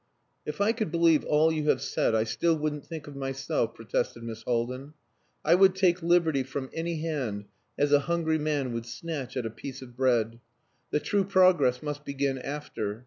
"If I could believe all you have said I still wouldn't think of myself," protested Miss Haldin. "I would take liberty from any hand as a hungry man would snatch at a piece of bread. The true progress must begin after.